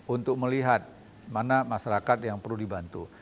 untuk melihat mana masyarakat yang perlu dibantu